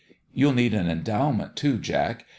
You'll need an endowment, too, Jack.